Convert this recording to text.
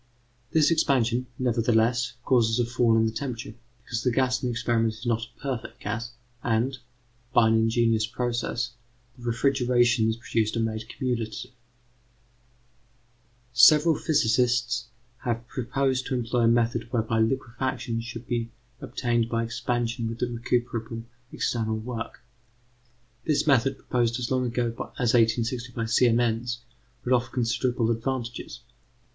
This expansion, nevertheless, causes a fall in the temperature, because the gas in the experiment is not a perfect gas, and, by an ingenious process, the refrigerations produced are made cumulative. Several physicists have proposed to employ a method whereby liquefaction should be obtained by expansion with recuperable external work. This method, proposed as long ago as 1860 by Siemens, would offer considerable advantages.